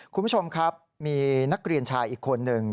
คุณผู้ชมครับมีนักเรียนชายอีกคนหนึ่ง